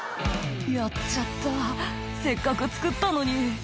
「やっちゃったせっかく作ったのに」